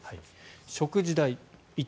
食事代。